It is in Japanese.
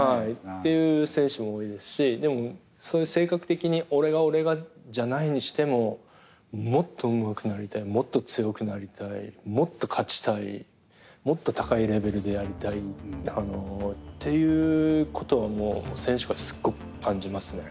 っていう選手も多いですしでもそういう性格的に「俺が俺が」じゃないにしてももっとうまくなりたいもっと強くなりたいもっと勝ちたいもっと高いレベルでやりたいっていうことはもう選手からすごく感じますね。